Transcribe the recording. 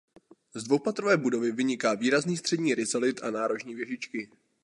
Z dvoupatrové budovy vyniká výrazný střední rizalit a nárožní věžičky.